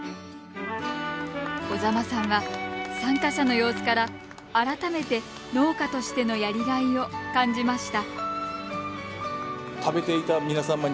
小座間さんは参加者の様子から改めて農家としてのやりがいを感じました。